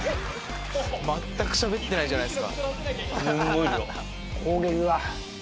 全くしゃべってないじゃないですか。